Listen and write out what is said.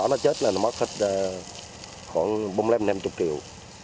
nếu nó chết là nó mất khoảng bốn mươi năm năm mươi triệu